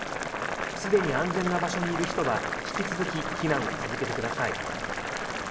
すでに安全な場所にいる人は、引き続き避難を続けてください。